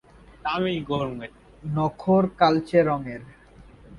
নখর কালচে রঙের।